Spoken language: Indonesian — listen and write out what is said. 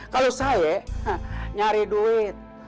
kalau saya nyari duit